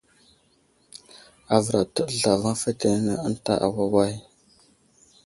Avər atəɗ zlavaŋ fetenene ənta awaway.